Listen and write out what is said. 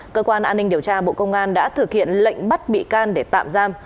cơ quan an ninh điều tra bộ công an đã thực hiện lệnh bắt bị can để tạm giam